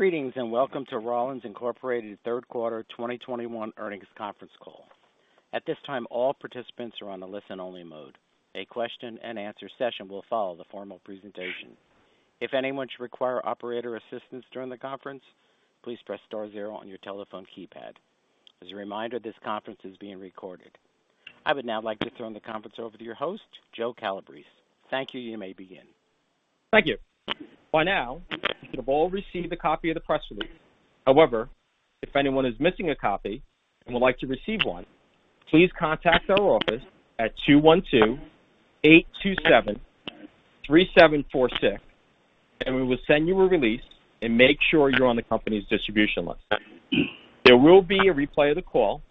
Greetings, and welcome to Rollins Incorporated Q3 2021 Earnings Conference Call. At this time, all participants are on a listen-only mode. A question-and-answer session will follow the formal presentation. If anyone should require operator assistance during the conference, please press star zero on your telephone keypad. As a reminder, this conference is being recorded. I would now like to turn the conference over to your host, Joe Calabrese. Thank you. You may begin. Thank you. By now, you have all received a copy of the press release. However, if anyone is missing a copy and would like to receive one, please contact our office at 212-827-3746, and we will send you a release and make sure you're on the company's distribution list. There will be a replay of the call,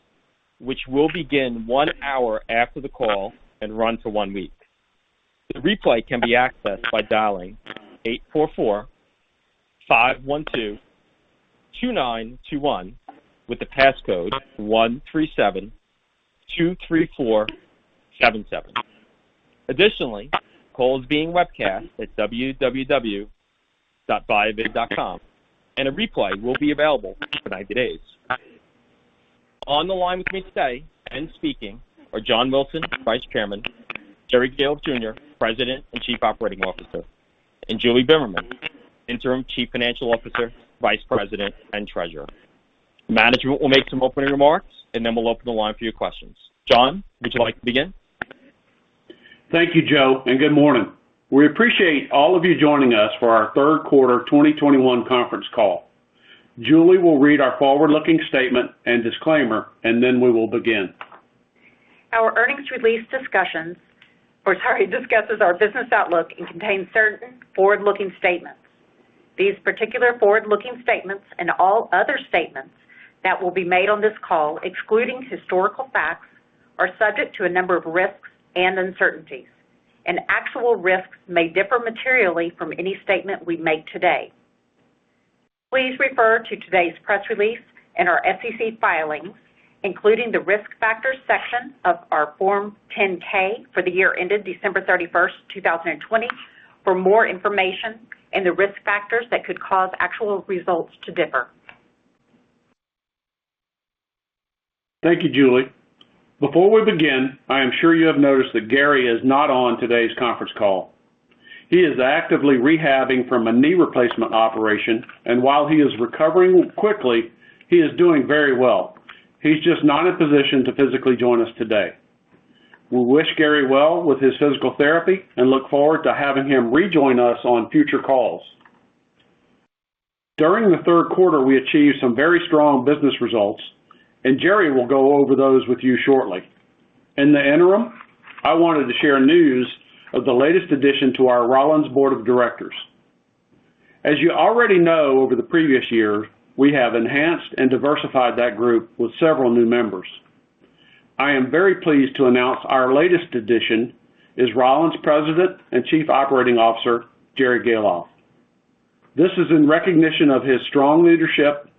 which will begin one hour after the call and run for one week. The replay can be accessed by dialing 844-512-2921 with the passcode 13723477. Additionally, the call is being webcast at www.viavid.com, and a replay will be available for 90 days. On the line with me today and speaking are John Wilson, Vice Chairman, Jerry Gahlhoff Jr., President and Chief Operating Officer, and Julie Bimmerman, Interim Chief Financial Officer, Vice President and Treasurer. Management will make some opening remarks, and then we'll open the line for your questions. John, would you like to begin? Thank you, Joe, and good morning. We appreciate all of you joining us for our Third Quarter 2021 Conference Call. Julie will read our forward-looking statement and disclaimer, and then we will begin. Our earnings release discusses our business outlook and contains certain forward-looking statements. These particular forward-looking statements and all other statements that will be made on this call, excluding historical facts, are subject to a number of risks and uncertainties, and actual results may differ materially from any statement we make today. Please refer to today's press release and our SEC filings, including the Risk Factors section of our Form 10-K for the year ended December 31, 2020 for more information and the risk factors that could cause actual results to differ. Thank you, Julie. Before we begin, I am sure you have noticed that Gary is not on today's conference call. He is actively rehabbing from a knee replacement operation, and while he is recovering quickly, he is doing very well. He's just not in a position to physically join us today. We wish Gary well with his physical therapy and look forward to having him rejoin us on future calls. During the third quarter, we achieved some very strong business results, and Jerry will go over those with you shortly. In the interim, I wanted to share news of the latest addition to our Rollins Board of Directors. As you already know, over the previous year, we have enhanced and diversified that group with several new members. I am very pleased to announce our latest addition is Rollins President and Chief Operating Officer, Jerry Gahlhoff. This is in recognition of his strong leadership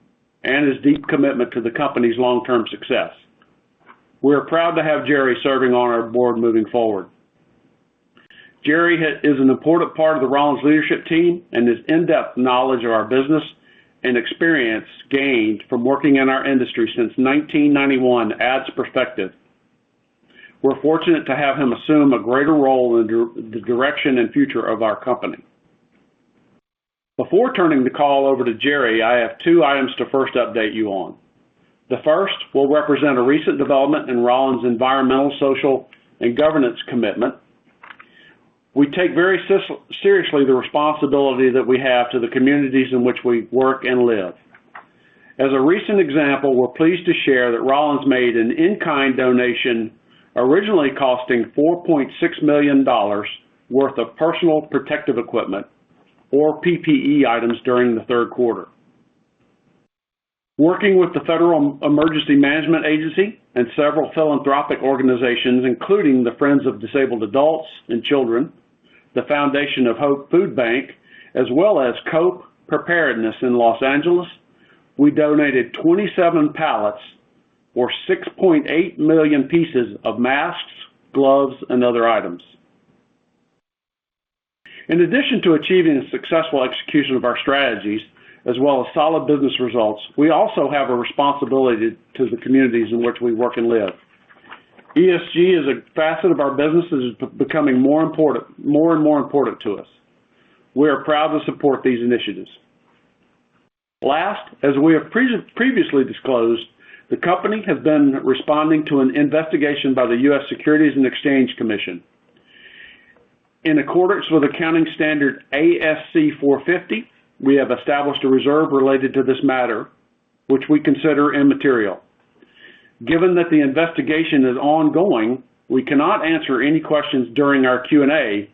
and his deep commitment to the company's long-term success. We are proud to have Jerry serving on our board moving forward. Jerry is an important part of the Rollins leadership team and his in-depth knowledge of our business and experience gained from working in our industry since 1991 adds perspective. We're fortunate to have him assume a greater role in the direction and future of our company. Before turning the call over to Jerry, I have two items to first update you on. The first will represent a recent development in Rollins' environmental, social, and governance commitment. We take very seriously the responsibility that we have to the communities in which we work and live. As a recent example, we're pleased to share that Rollins made an in-kind donation, originally costing $4.6 million worth of personal protective equipment or PPE items during the third quarter. Working with the Federal Emergency Management Agency and several philanthropic organizations, including the Friends of Disabled Adults and Children, the Foundation of HOPE Food Bank, as well as Cope Preparedness in Los Angeles, we donated 27 pallets or 6.8 million pieces of masks, gloves, and other items. In addition to achieving the successful execution of our strategies as well as solid business results, we also have a responsibility to the communities in which we work and live. ESG is a facet of our business that is becoming more and more important to us. We are proud to support these initiatives. Last, as we have previously disclosed, the company has been responding to an investigation by the U.S. Securities and Exchange Commission. In accordance with accounting standard ASC 450, we have established a reserve related to this matter, which we consider immaterial. Given that the investigation is ongoing, we cannot answer any questions during our Q&A,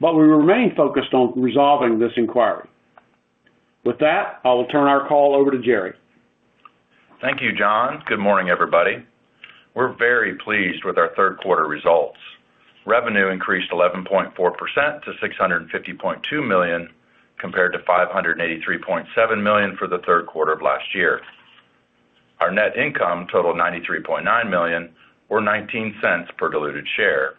but we remain focused on resolving this inquiry. With that, I will turn our call over to Jerry. Thank you, John. Good morning, everybody. We're very pleased with our third quarter results. Revenue increased 11.4% to $650.2 million, compared to $583.7 million for the third quarter of last year. Our net income totaled $93.9 million or $0.19 per diluted share,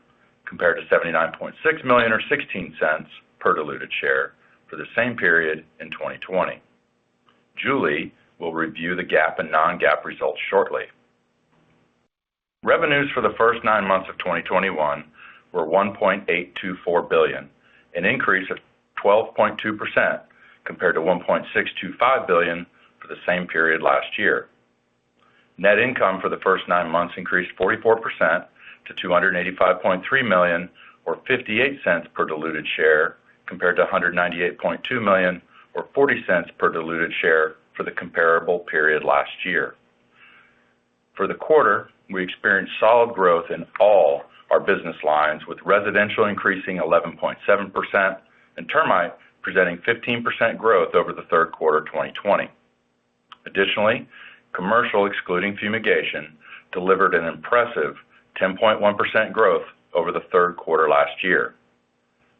compared to $79.6 million or $0.16 per diluted share for the same period in 2020. Julie will review the GAAP and non-GAAP results shortly. Revenues for the first nine months of 2021 were $1.824 billion, an increase of 12.2% compared to $1.625 billion for the same period last year. Net income for the first nine months increased 44% to $285.3 million or $0.58 per diluted share, compared to $198.2 million or $0.40 per diluted share for the comparable period last year. For the quarter, we experienced solid growth in all our business lines, with residential increasing 11.7% and termite presenting 15% growth over the third quarter of 2020. Additionally, commercial, excluding fumigation, delivered an impressive 10.1% growth over the third quarter last year.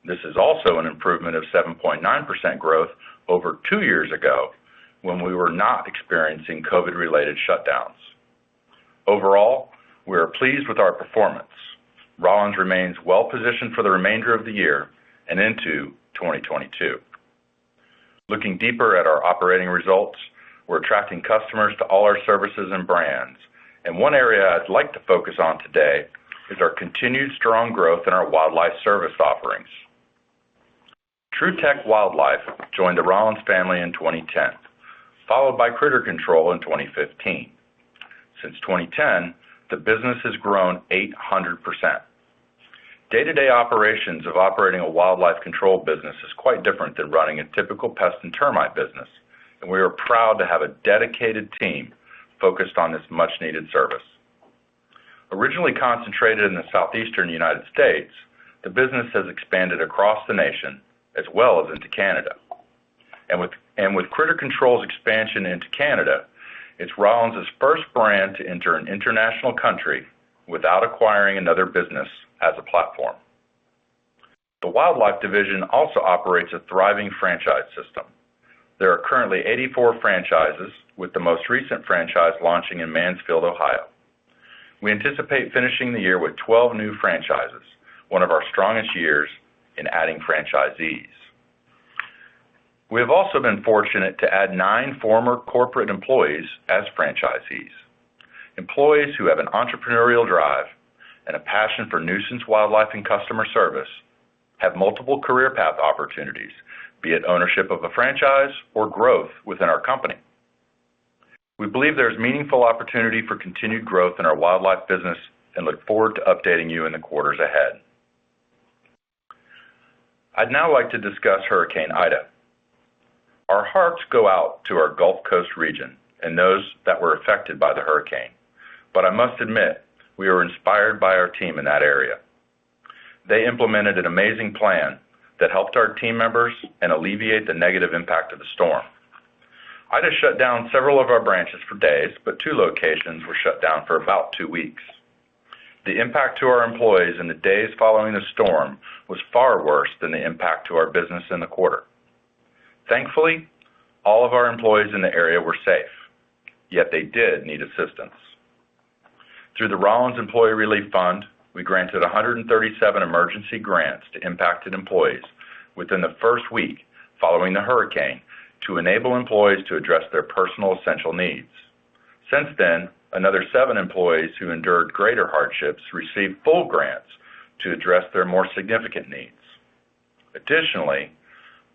This is also an improvement of 7.9% growth over two years ago when we were not experiencing COVID-related shutdowns. Overall, we are pleased with our performance. Rollins remains well positioned for the remainder of the year and into 2022. Looking deeper at our operating results, we're attracting customers to all our services and brands. One area I'd like to focus on today is our continued strong growth in our wildlife service offerings. TruTech Wildlife joined the Rollins family in 2010, followed by Critter Control in 2015. Since 2010, the business has grown 800%. Day-to-day operations of operating a wildlife control business is quite different than running a typical pest and termite business, and we are proud to have a dedicated team focused on this much-needed service. Originally concentrated in the Southeastern United States, the business has expanded across the nation as well as into Canada. With Critter Control's expansion into Canada, it's Rollins's first brand to enter an international country without acquiring another business as a platform. The wildlife division also operates a thriving franchise system. There are currently 84 franchises, with the most recent franchise launching in Mansfield, Ohio. We anticipate finishing the year with 12 new franchises, one of our strongest years in adding franchisees. We have also been fortunate to add nine former corporate employees as franchisees. Employees who have an entrepreneurial drive and a passion for nuisance wildlife and customer service have multiple career path opportunities, be it ownership of a franchise or growth within our company. We believe there is meaningful opportunity for continued growth in our wildlife business and look forward to updating you in the quarters ahead. I'd now like to discuss Hurricane Ida. Our hearts go out to our Gulf Coast region and those that were affected by the hurricane. I must admit, we were inspired by our team in that area. They implemented an amazing plan that helped our team members and alleviate the negative impact of the storm. Ida shut down several of our branches for days, but two locations were shut down for about two weeks. The impact to our employees in the days following the storm was far worse than the impact to our business in the quarter. Thankfully, all of our employees in the area were safe, yet they did need assistance. Through the Rollins Employee Relief Fund, we granted 137 emergency grants to impacted employees within the first week following the hurricane to enable employees to address their personal essential needs. Since then, another seven employees who endured greater hardships received full grants to address their more significant needs. Additionally,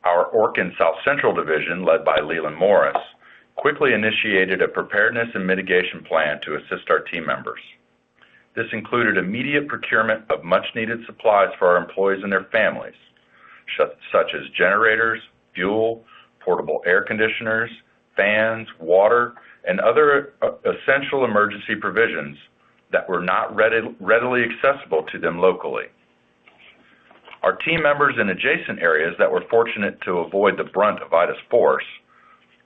our Orkin South Central division, led by Leland Morris, quickly initiated a preparedness and mitigation plan to assist our team members. This included immediate procurement of much needed supplies for our employees and their families, such as generators, fuel, portable air conditioners, fans, water, and other essential emergency provisions that were not readily accessible to them locally. Our team members in adjacent areas that were fortunate to avoid the brunt of Ida's force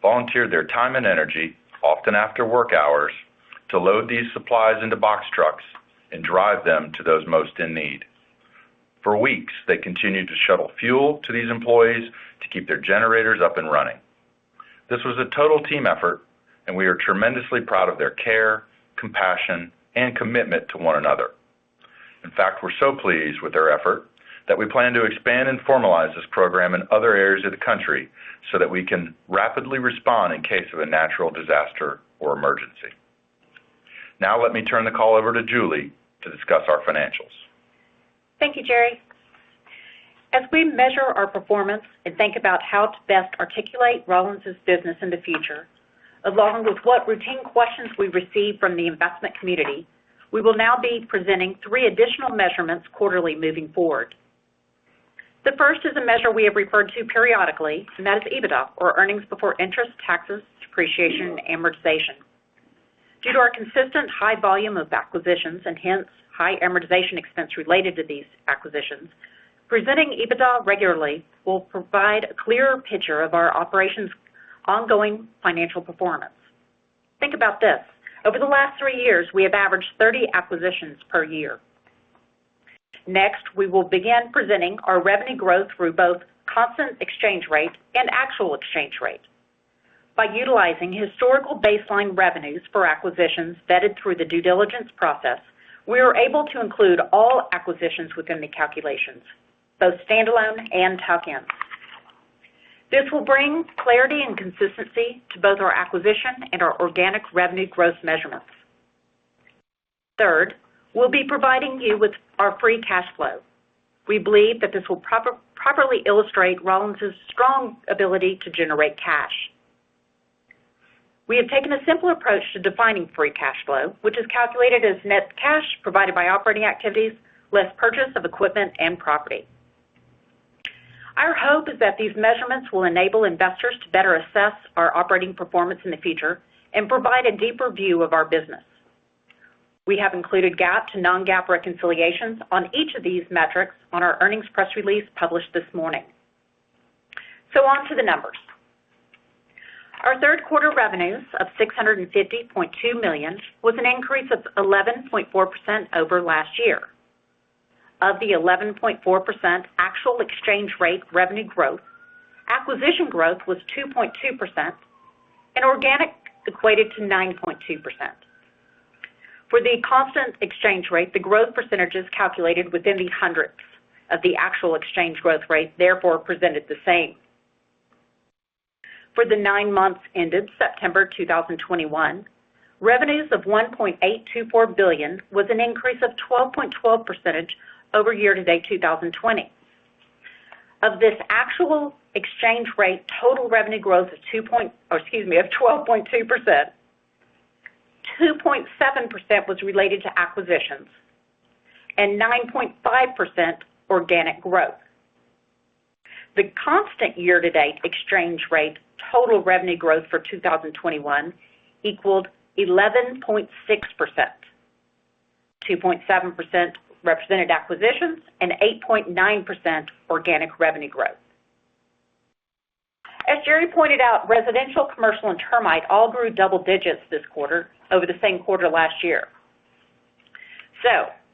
volunteered their time and energy, often after work hours, to load these supplies into box trucks and drive them to those most in need. For weeks, they continued to shuttle fuel to these employees to keep their generators up and running. This was a total team effort and we are tremendously proud of their care, compassion, and commitment to one another. In fact, we're so pleased with their effort that we plan to expand and formalize this program in other areas of the country so that we can rapidly respond in case of a natural disaster or emergency. Now let me turn the call over to Julie to discuss our financials. Thank you, Jerry. As we measure our performance and think about how to best articulate Rollins's business in the future, along with what routine questions we receive from the investment community, we will now be presenting three additional measurements quarterly moving forward. The first is a measure we have referred to periodically, and that is EBITDA or earnings before interest, taxes, depreciation, and amortization. Due to our consistent high volume of acquisitions and hence high amortization expense related to these acquisitions, presenting EBITDA regularly will provide a clearer picture of our operations' ongoing financial performance. Think about this: Over the last three years, we have averaged 30 acquisitions per year. Next, we will begin presenting our revenue growth through both constant exchange rate and actual exchange rate. By utilizing historical baseline revenues for acquisitions vetted through the due diligence process, we are able to include all acquisitions within the calculations, both standalone and tuck-ins. This will bring clarity and consistency to both our acquisition and our organic revenue growth measurements. Third, we'll be providing you with our free cash flow. We believe that this will properly illustrate Rollins' strong ability to generate cash. We have taken a simple approach to defining free cash flow, which is calculated as net cash provided by operating activities less purchase of equipment and property. Our hope is that these measurements will enable investors to better assess our operating performance in the future and provide a deeper view of our business. We have included GAAP to non-GAAP reconciliations on each of these metrics on our earnings press release published this morning. On to the numbers. Our third quarter revenues of $650.2 million was an increase of 11.4% over last year. Of the 11.4% actual exchange rate revenue growth, acquisition growth was 2.2% and organic equated to 9.2%. For the constant exchange rate, the growth percentage is calculated within the hundredths of the actual exchange growth rate, therefore presented the same. For the nine months ended September 2021, revenues of $1.824 billion was an increase of 12.12% over year-to-date 2020. Of this actual exchange rate, total revenue growth of 12.2%, 2.7% was related to acquisitions and 9.5% organic growth. The constant year-to-date exchange rate total revenue growth for 2021 equaled 11.6%. 2.7% represented acquisitions and 8.9% organic revenue growth. As Jerry pointed out, residential, commercial, and termite all grew double digits this quarter over the same quarter last year.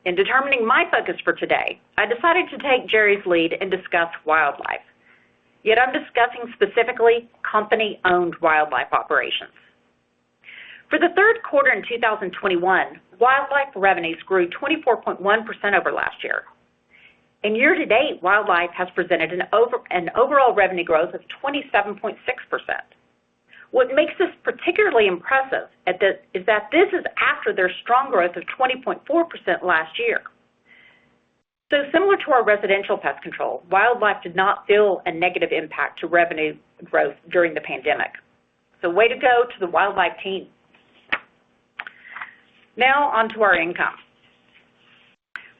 In determining my focus for today, I decided to take Jerry's lead and discuss wildlife. Yet I'm discussing specifically company-owned wildlife operations. For the third quarter in 2021, wildlife revenues grew 24.1% over last year. In year-to-date, wildlife has presented an overall revenue growth of 27.6%. What makes this particularly impressive is that this is after their strong growth of 20.4% last year. Similar to our residential pest control, wildlife did not feel a negative impact to revenue growth during the pandemic. Way to go to the wildlife team. Now on to our income.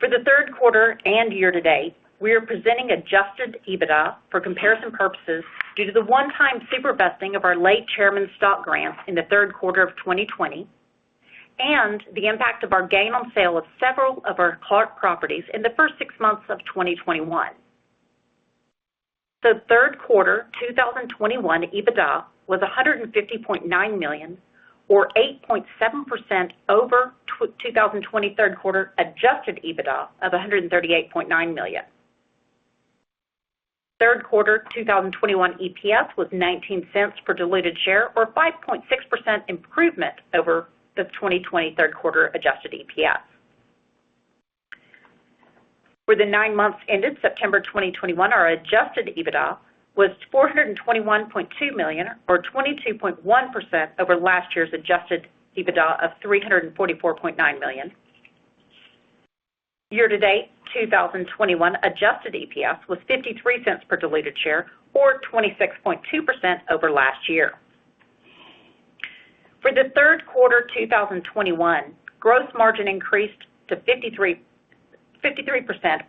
For the third quarter and year-to-date, we are presenting Adjusted EBITDA for comparison purposes due to the one-time super vesting of our late chairman's stock grants in the third quarter of 2020 and the impact of our gain on sale of several of our Clarke properties in the first six months of 2021. The third quarter 2021 EBITDA was $150.9 million or 8.7% over 2020 third quarter Adjusted EBITDA of $138.9 million. Q3 2021 EPS was $0.19 per diluted share or 5.6% improvement over the 2020 third quarter adjusted EPS. For the nine months ended September 2021, our Adjusted EBITDA was $421.2 million or 22.1% over last year's Adjusted EBITDA of $344.9 million. Year-to-date 2021 adjusted EPS was $0.53 per diluted share or 26.2% over last year. For the third quarter 2021, gross margin increased to 53%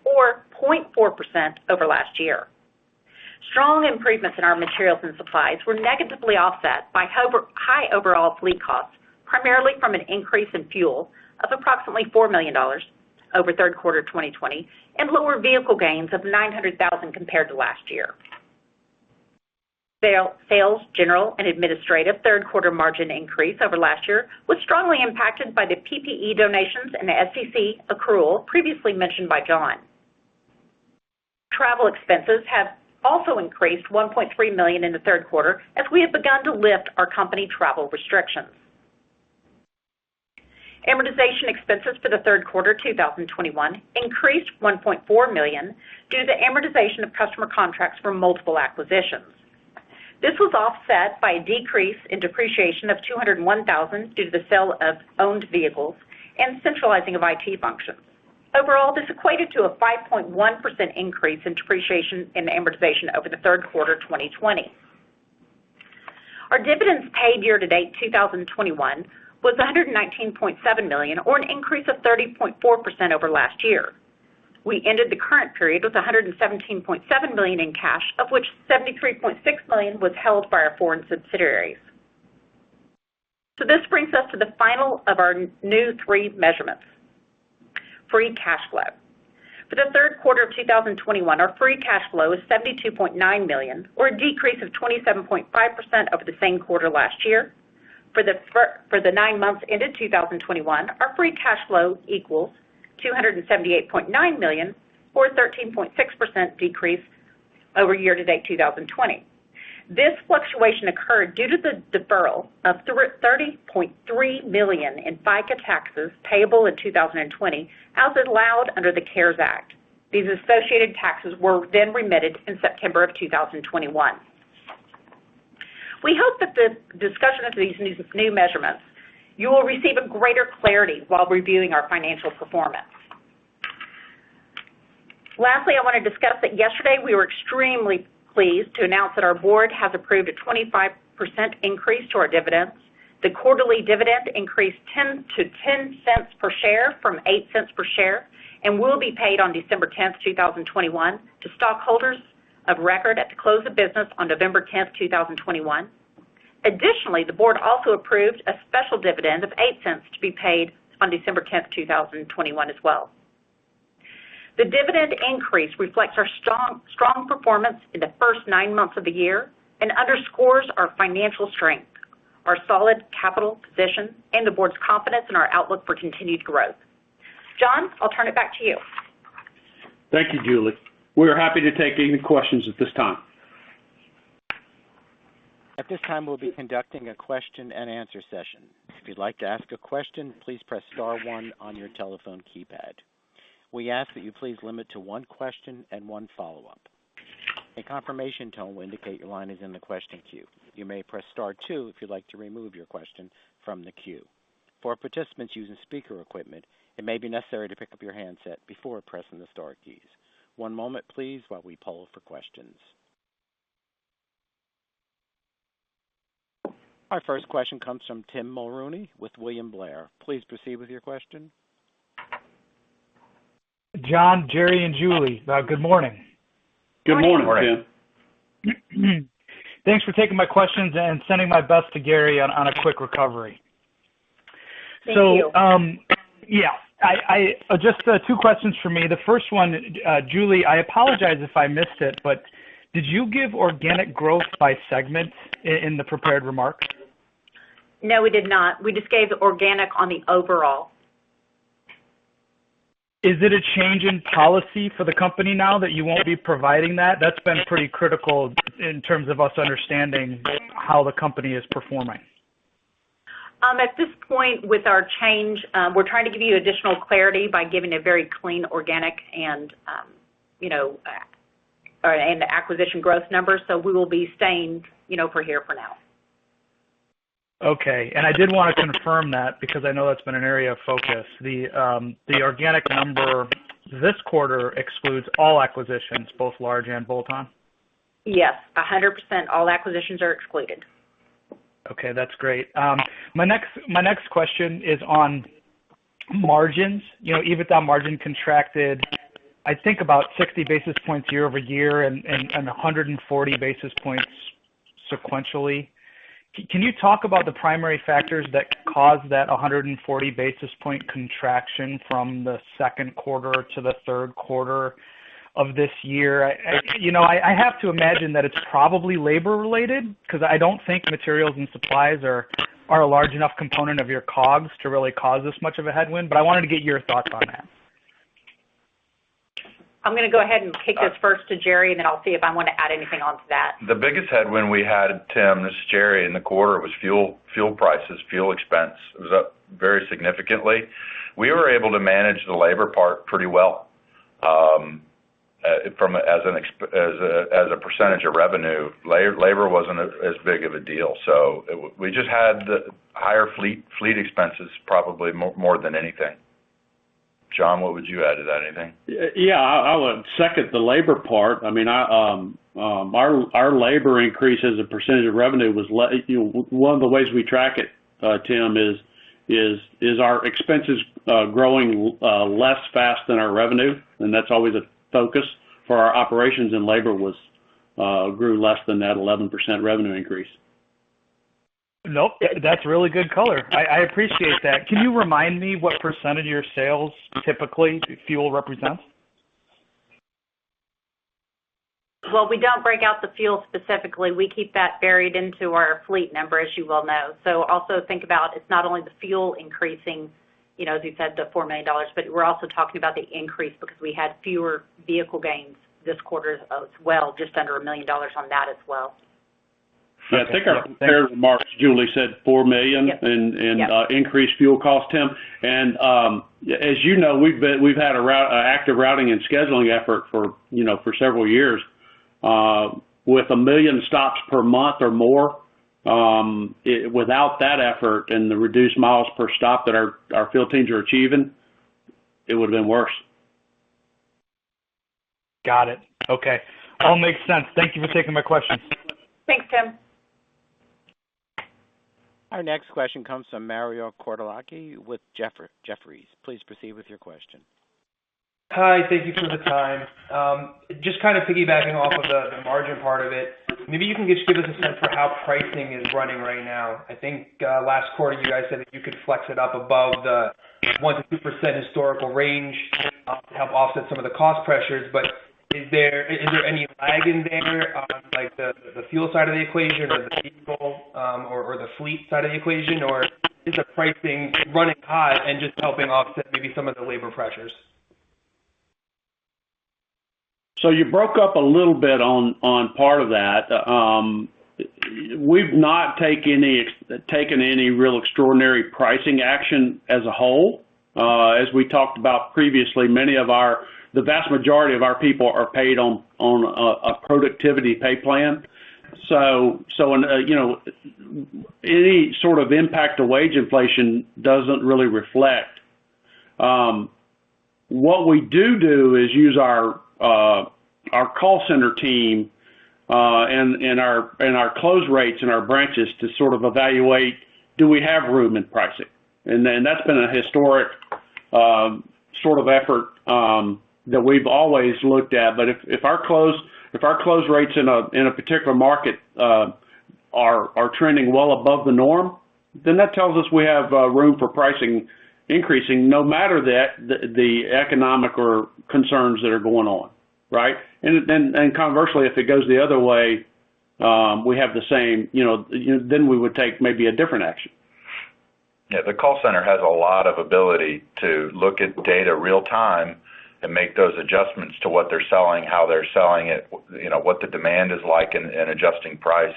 or 0.4% over last year. Strong improvements in our materials and supplies were negatively offset by high overall fleet costs, primarily from an increase in fuel of approximately $4 million over third quarter 2020 and lower vehicle gains of $900,000 compared to last year. SG&A third quarter margin increase over last year was strongly impacted by the PPE donations and the SEC accrual previously mentioned by John. Travel expenses have also increased $1.3 million in the third quarter as we have begun to lift our company travel restrictions. Amortization expenses for the third quarter 2021 increased $1.4 million due to amortization of customer contracts from multiple acquisitions. This was offset by a decrease in depreciation of $201,000 due to the sale of owned vehicles and centralizing of IT functions. Overall, this equated to a 5.1% increase in depreciation and amortization over the third quarter 2020. Our dividends paid year-to-date 2021 was $119.7 million or an increase of 30.4% over last year. We ended the current period with $117.7 million in cash, of which $73.6 million was held by our foreign subsidiaries. This brings us to the final of our new three measurements, free cash flow. For the third quarter of 2021, our free cash flow is $72.9 million or a decrease of 27.5% over the same quarter last year. For the nine months ended 2021, our free cash flow equals $278.9 million or 13.6% decrease over year-to-date 2020. This fluctuation occurred due to the deferral of $30.3 million in FICA taxes payable in 2020 as allowed under the CARES Act. These associated taxes were then remitted in September of 2021. We hope that the discussion of these new measurements, you will receive a greater clarity while reviewing our financial performance. Lastly, I wanna discuss that yesterday we were extremely pleased to announce that our board has approved a 25% increase to our dividends. The quarterly dividend increased to 0.10 cents per share from 0.08 cents per share, and will be paid on December 10th, 2021 to stockholders of record at the close of business on November 10th, 2021. Additionally, the board also approved a special dividend of 0.08 cents to be paid on December 10th, 2021 as well. The dividend increase reflects our strong performance in the first nine months of the year and underscores our financial strength, our solid capital position, and the board's confidence in our outlook for continued growth. John, I'll turn it back to you. Thank you, Julie. We are happy to take any questions at this time. At this time, we'll be conducting a question and answer session. If you'd like to ask a question, please press star one on your telephone keypad. We ask that you please limit to one question and one follow-up. A confirmation tone will indicate your line is in the question queue. You may press star two if you'd like to remove your question from the queue. For participants using speaker equipment, it may be necessary to pick up your handset before pressing the star keys. One moment please while we poll for questions. Our first question comes from Tim Mulrooney with William Blair. Please proceed with your question. John, Jerry, and Julie, good morning. Good morning, Tim. Good morning. Thanks for taking my questions and sending my best to Gary on a quick recovery. Thank you. Just two questions for me. The first one, Julie, I apologize if I missed it, but did you give organic growth by segment in the prepared remarks? No, we did not. We just gave organic on the overall. Is it a change in policy for the company now that you won't be providing that? That's been pretty critical in terms of us understanding how the company is performing. At this point with our change, we're trying to give you additional clarity by giving a very clean organic and, you know, the acquisition growth numbers. We will be staying, you know, here for now. Okay. I did wanna confirm that because I know that's been an area of focus. The organic number this quarter excludes all acquisitions, both large and bolt-on? Yes, 100%. All acquisitions are excluded. Okay, that's great. My next question is on margins. You know, EBITDA margin contracted, I think about 60 basis points year-over-year and a 140 basis points sequentially. Can you talk about the primary factors that caused that a 140 basis point contraction from the second quarter to the third quarter of this year? You know, I have to imagine that it's probably labor related because I don't think materials and supplies are a large enough component of your COGS to really cause this much of a headwind, but I wanted to get your thoughts on that. I'm gonna go ahead and kick this first to Jerry, and then I'll see if I want to add anything onto that. The biggest headwind we had, Tim, this is Jerry, in the quarter was fuel prices. Fuel expense was up very significantly. We were able to manage the labor part pretty well from a percentage of revenue. Labor wasn't as big of a deal, so we just had higher fleet expenses probably more than anything. John, what would you add to that? Anything? Yeah. I would second the labor part. I mean, our labor increase as a percentage of revenue was less. You know, one of the ways we track it, Tim, is our expenses growing less fast than our revenue, and that's always a focus for our operations, and labor grew less than that 11% revenue increase. Nope, that's really good color. I appreciate that. Can you remind me what percentage of your sales typically fuel represents? Well, we don't break out the fuel specifically. We keep that buried into our fleet number, as you well know. Also think about it's not only the fuel increasing, you know, as you said, the $4 million, but we're also talking about the increase because we had fewer vehicle gains this quarter as well, just under $1 million on that as well. I think our prepared remarks. Julie said $4 million- Yep. increased fuel cost, Tim. As you know, we've had an active routing and scheduling effort for, you know, for several years. With 1 million stops per month or more, without that effort and the reduced miles per stop that our field teams are achieving, it would have been worse. Got it. Okay. All makes sense. Thank you for taking my questions. Thanks, Tim. Our next question comes from Mario Cortellacci with Jefferies. Please proceed with your question. Hi, thank you for the time. Just kind of piggybacking off of the margin part of it. Maybe you can just give us a sense for how pricing is running right now. I think last quarter, you guys said that you could flex it up above the 1%-2% historical range to help offset some of the cost pressures. Is there any lag in there on the fuel side of the equation or the people or the fleet side of the equation? Or is the pricing running hot and just helping offset maybe some of the labor pressures? You broke up a little bit on part of that. We've not taken any real extraordinary pricing action as a whole. As we talked about previously, the vast majority of our people are paid on a productivity pay plan. You know, any sort of impact to wage inflation doesn't really reflect. What we do is use our call center team and our close rates in our branches to sort of evaluate, do we have room in pricing? Then that's been a historic sort of effort that we've always looked at. If our close rates in a particular market are trending well above the norm, then that tells us we have room for pricing increasing no matter the economic or concerns that are going on, right? Conversely, if it goes the other way, we have the same, you know, then we would take maybe a different action. Yeah. The call center has a lot of ability to look at data real time and make those adjustments to what they're selling, how they're selling it, you know, what the demand is like, and adjusting price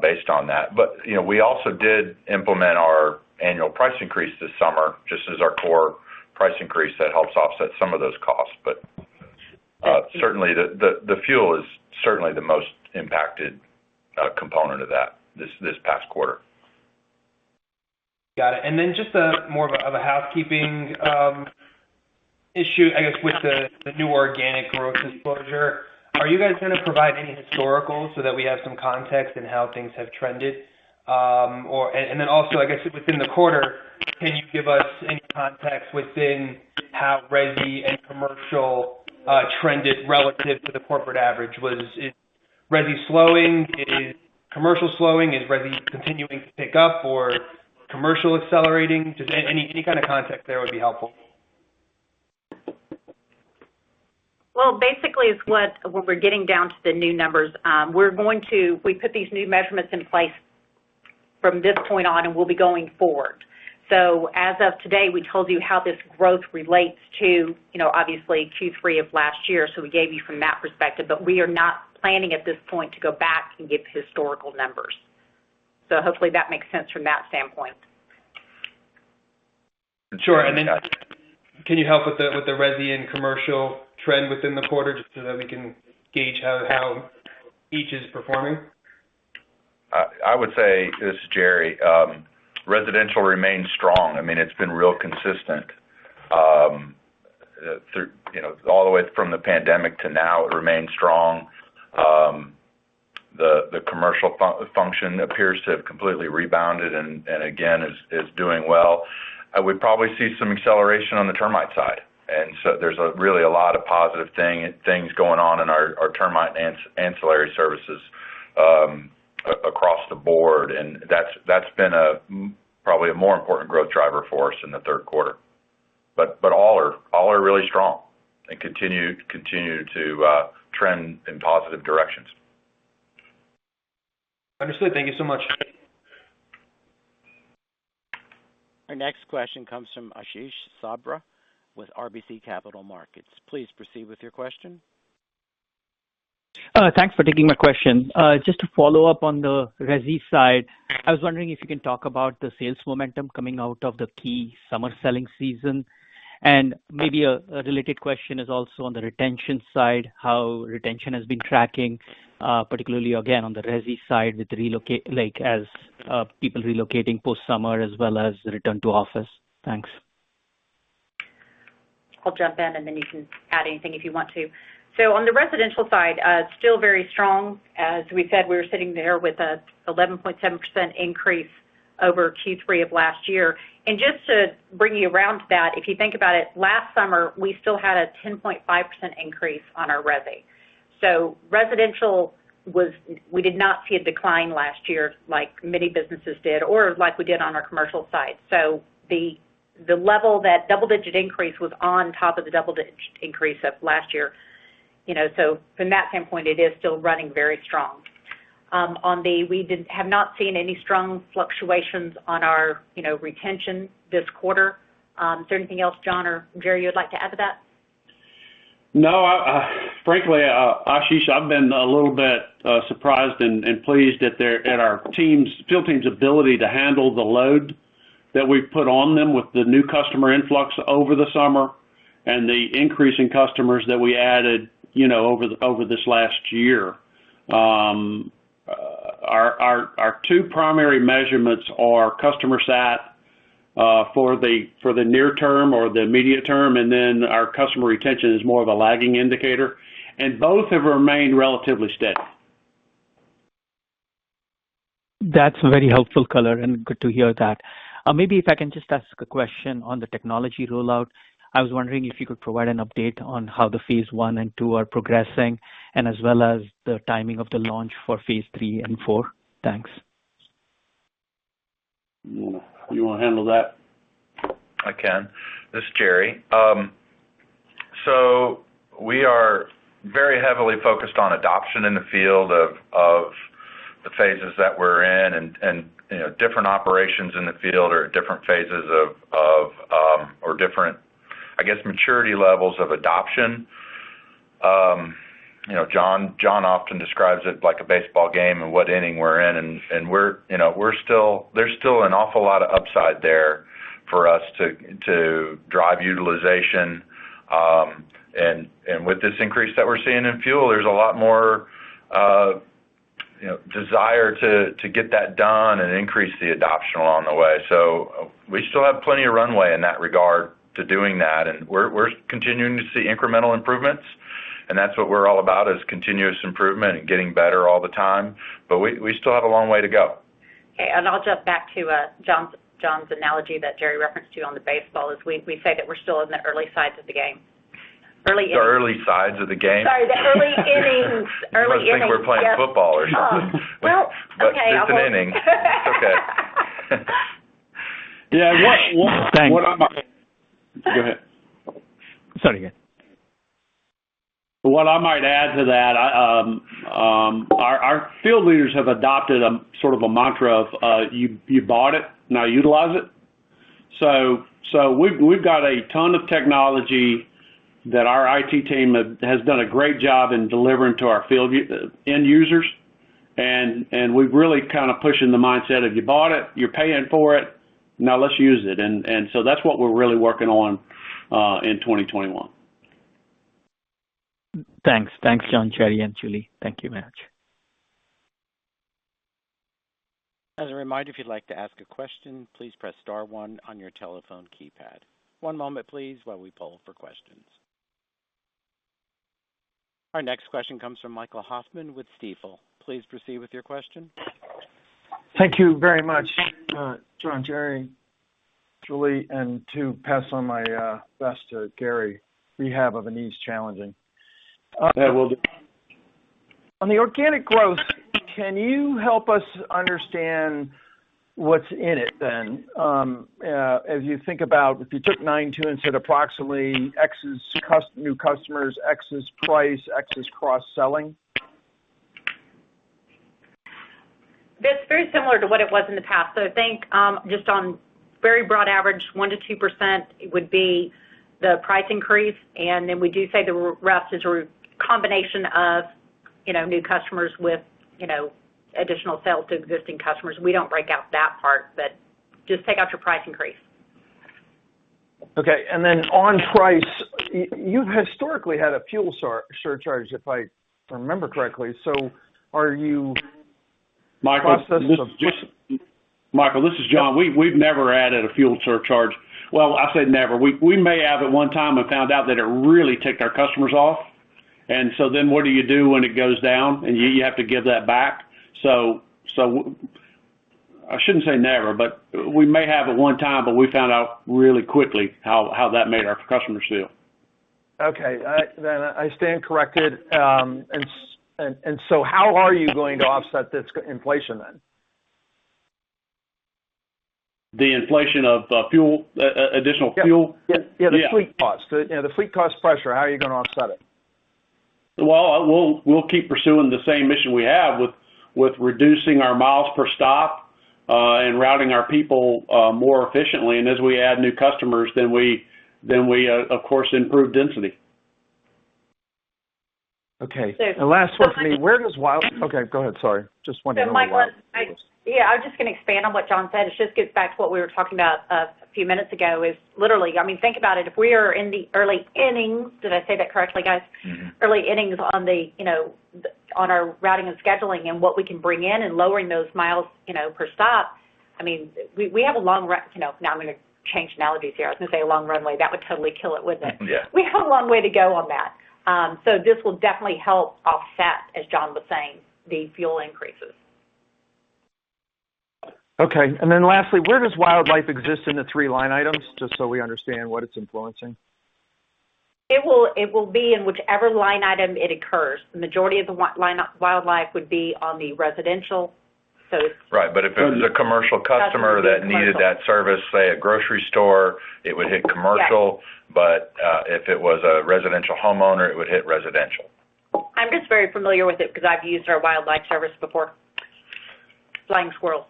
based on that. You know, we also did implement our annual price increase this summer, just as our core price increase that helps offset some of those costs. Certainly the fuel is certainly the most impacted component of that this past quarter. Got it. Just more of a housekeeping issue, I guess, with the new organic growth disclosure. Are you guys gonna provide any historical so that we have some context in how things have trended? Also, I guess within the quarter, can you give us any context within how resi and commercial trended relative to the corporate average? Was it resi slowing? Is commercial slowing? Is resi continuing to pick up or commercial accelerating? Just any kind of context there would be helpful. Well, basically, when we're getting down to the new numbers, we put these new measurements in place from this point on, and we'll be going forward. As of today, we told you how this growth relates to, you know, obviously Q3 of last year, so we gave you from that perspective. We are not planning at this point to go back and give historical numbers. Hopefully that makes sense from that standpoint. Sure. Can you help with the resi and commercial trend within the quarter, just so that we can gauge how each is performing? I would say this is Jerry. Residential remains strong. I mean, it's been real consistent through you know all the way from the pandemic to now. It remains strong. The commercial function appears to have completely rebounded and again is doing well. We probably see some acceleration on the termite side. There's really a lot of positive things going on in our termite and ancillary services across the board. That's been probably a more important growth driver for us in the third quarter. All are really strong and continue to trend in positive directions. Understood. Thank you so much. Our next question comes from Ashish Sabadra with RBC Capital Markets. Please proceed with your question. Thanks for taking my question. Just to follow up on the resi side, I was wondering if you can talk about the sales momentum coming out of the key summer selling season. Maybe a related question is also on the retention side, how retention has been tracking, particularly again, on the resi side with the relocate, like, as people relocating post-summer as well as return to office. Thanks. I'll jump in, and then you can add anything if you want to. On the residential side, still very strong. As we said, we were sitting there with an 11.7% increase over Q3 of last year. Just to bring you around to that, if you think about it, last summer, we still had a 10.5 increase on our resi. Residential we did not see a decline last year like many businesses did or like we did on our commercial side. The level, that double-digit increase was on top of the double-digit increase of last year. You know, from that standpoint, it is still running very strong. We have not seen any strong fluctuations on our, you know, retention this quarter. Is there anything else, John or Jerry, you'd like to add to that? No, frankly, Ashish, I've been a little bit surprised and pleased at our team's field team's ability to handle the load that we've put on them with the new customer influx over the summer and the increase in customers that we added, you know, over this last year. Our two primary measurements are customer sat for the near term or the immediate term, and then our customer retention is more of a lagging indicator, and both have remained relatively steady. That's very helpful color and good to hear that. Maybe if I can just ask a question on the technology rollout. I was wondering if you could provide an update on how the phase one and two are progressing, and as well as the timing of the launch for phase three and four. Thanks. You wanna handle that? I can. This is Jerry. We are very heavily focused on adoption in the field of the phases that we're in and you know different operations in the field or different phases or different I guess maturity levels of adoption. You know John often describes it like a baseball game and what inning we're in and we're you know still. There's still an awful lot of upside there for us to drive utilization. With this increase that we're seeing in fuel there's a lot more you know desire to get that done and increase the adoption along the way. We still have plenty of runway in that regard to doing that, and we're continuing to see incremental improvements, and that's what we're all about is continuous improvement and getting better all the time. We still have a long way to go. Okay. I'll jump back to John's analogy that Jerry referred to on the baseball is we say that we're still in the early innings of the game. The early sides of the game? Sorry, the early innings, yes. You must think we're playing football or something. Well, okay, I'll go with It's an inning. It's okay. Yeah. What I might Thanks. Go ahead. Sorry, go ahead. What I might add to that, our field leaders have adopted a sort of a mantra of, you bought it, now utilize it. We've got a ton of technology that our IT team has done a great job in delivering to our field end users, and we've really kind of pushing the mindset if you bought it, you're paying for it, now let's use it. That's what we're really working on in 2021. Thanks. Thanks, John, Jerry, and Julie. Thank you very much. As a reminder, if you'd like to ask a question, please press star one on your telephone keypad. One moment, please, while we poll for questions. Our next question comes from Michael Hoffman with Stifel. Please proceed with your question. Thank you very much, John, Jerry, Julie, and to pass on my best to Gary. Rehab of a knee is challenging. Yeah, we'll do. On the organic growth, can you help us understand what's in it, as you think about if you took 9.2% and said approximately X is new customers, X is price, X is cross-selling? It's very similar to what it was in the past. I think, just on very broad average, 1%-2% would be the price increase. Then we do say the rest is a combination of, you know, new customers with, you know, additional sales to existing customers. We don't break out that part, but just take out your price increase. Okay. On price, you've historically had a fuel surcharge, if I remember correctly. Are you- Michael, this is. In the process of- Michael, this is John. We've never added a fuel surcharge. Well, I say never. We may have at one time and found out that it really ticked our customers off. What do you do when it goes down and you have to give that back? I shouldn't say never, but we may have at one time, but we found out really quickly how that made our customers feel. Okay. I stand corrected. How are you going to offset this inflation then? The inflation of, fuel, additional fuel? Yeah. Yeah. Yeah. You know, the fleet cost pressure, how are you gonna offset it? Well, we'll keep pursuing the same mission we have with reducing our miles per stop, and routing our people more efficiently. As we add new customers, then we of course improve density. Okay. So- Last one for me. Okay, go ahead. Sorry. Just wondering. Michael, yeah, I was just gonna expand on what John said. It just gets back to what we were talking about a few minutes ago is literally, I mean, think about it. If we are in the early innings, did I say that correctly, guys? Mm-hmm. Early innings on the you know, on our routing and scheduling and what we can bring in and lowering those miles, you know, per stop. I mean, we have, you know, now I'm gonna change analogies here. I was gonna say a long runway. That would totally kill it, wouldn't it? Yeah. We have a long way to go on that. This will definitely help offset, as John was saying, the fuel increases. Okay. Lastly, where does wildlife exist in the three line items? Just so we understand what it's influencing. It will be in whichever line item it occurs. The majority of the wildlife would be on the residential. It's Right. If it was a commercial customer that needed that service, say a grocery store, it would hit commercial. Yes. If it was a residential homeowner, it would hit residential. I'm just very familiar with it because I've used our wildlife service before. Flying squirrels.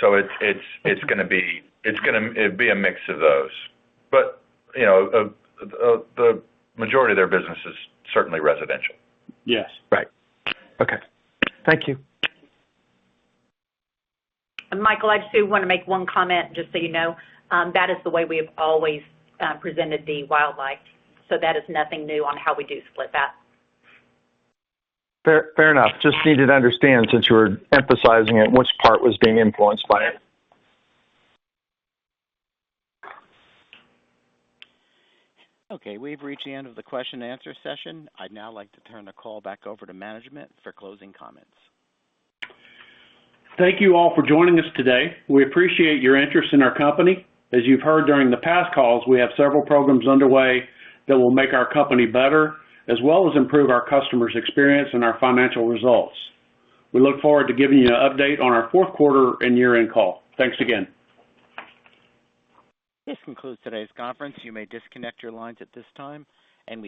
It's gonna be a mix of those. You know, the majority of their business is certainly residential. Yes. Right. Okay. Thank you. Michael, I just do wanna make one comment, just so you know. That is the way we have always presented the wildlife. That is nothing new on how we do split that. Fair, fair enough. Just needed to understand, since you were emphasizing it, which part was being influenced by it. Okay, we've reached the end of the question and answer session. I'd now like to turn the call back over to management for closing comments. Thank you all for joining us today. We appreciate your interest in our company. As you've heard during the past calls, we have several programs underway that will make our company better, as well as improve our customers' experience and our financial results. We look forward to giving you an update on our fourth quarter and year-end call. Thanks again. This concludes today's conference. You may disconnect your lines at this time, and we